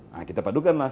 nah kita padukan lah